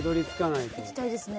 いきたいですね。